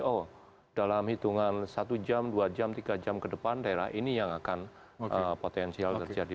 oh dalam hitungan satu jam dua jam tiga jam ke depan daerah ini yang akan potensial terjadi